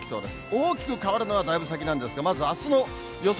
大きく変わるのはだいぶ先なんですが、まずあすの予想